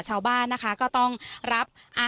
ชาวบ้านนะคะก็ต้องรับ